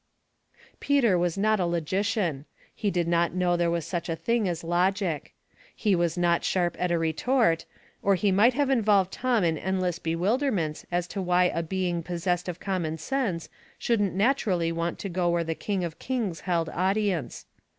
Peter was not a logician. He didn't know there was such a thing as logic. He was not sharp at a retort, or he might have involved Tom in endless bewilderments as to Avhy a being pos sessed of common sense shouldn't naturally want to go where the King of kings held audience.